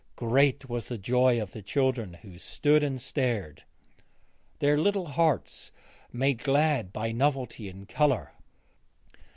Great was the joy of the children who stood and stared, their little hearts made glad by novelty and colour.